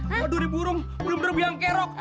aduh nih burung bener bener biang kerok